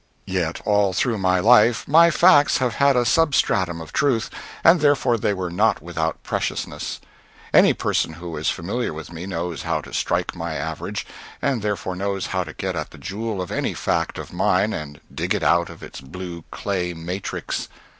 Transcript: Yet all through my life my facts have had a substratum of truth, and therefore they were not without preciousness. Any person who is familiar with me knows how to strike my average, and therefore knows how to get at the jewel of any fact of mine and dig it out of its blue clay matrix.